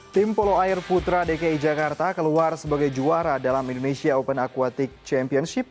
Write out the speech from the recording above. tim polo air putra dki jakarta keluar sebagai juara dalam indonesia open aquatic championship